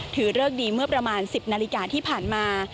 เริกดีเมื่อประมาณ๑๐นาฬิกาที่ผ่านมา